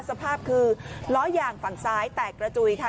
สภาพคือล้อยางฝั่งซ้ายแตกกระจุยค่ะ